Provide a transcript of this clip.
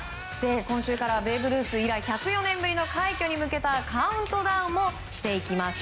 今週からベーブ・ルース以来１０４年ぶりの快挙に向けたカウントダウンもしていきます。